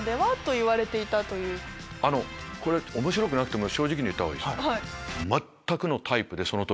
これ面白くなくても正直に言った方がいいですよね。